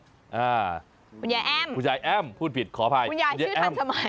คุณยายเอี๊ยมคุณยายเอี๊ยมพูดผิดขออภัยคุณยายเอี๊ยมคุณยายชื่อท่านสมัยมาก